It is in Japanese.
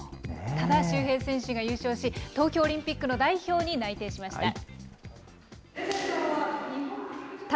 多田修平選手が優勝し、東京オリンピックの代表に内定しました。